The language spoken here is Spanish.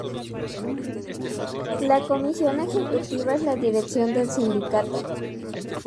La "Comisión Ejecutiva" es la dirección del sindicato.